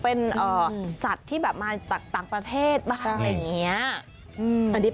เป็นสัตว์ที่มาจากต่างประเทศแบบนี้